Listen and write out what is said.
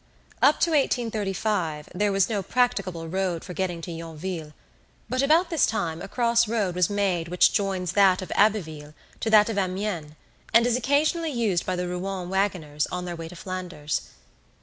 Up to 1835 there was no practicable road for getting to Yonville, but about this time a cross road was made which joins that of Abbeville to that of Amiens, and is occasionally used by the Rouen wagoners on their way to Flanders.